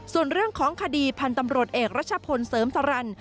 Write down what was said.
ส่วนเรื่องของคดีพันธ์ตำรวจเอกรัชพลเสริมสรรค